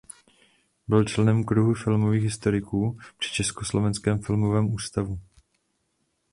Byl členem kruhu filmových historiků při Československém filmovém ústavu.